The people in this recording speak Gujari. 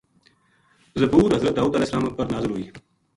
زبور حضرت داود علیہ السلام اپر نازل ہوئی۔